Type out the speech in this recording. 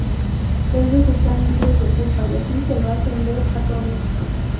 Ellos están libres de culpa y así se lo hacen ver a todos.